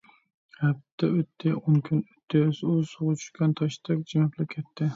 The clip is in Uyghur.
ھەپتە ئۆتتى، ئون كۈن ئۆتتى…ئۇ سۇغا چۈشكەن تاشتەك جىمىپلا كەتتى.